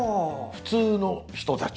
普通の人たち？